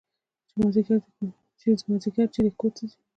چې مازديګر چې دى کور ته ځي.